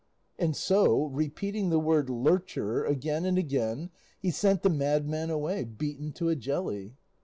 and so, repeating the word "lurcher" again and again, he sent the madman away beaten to a jelly.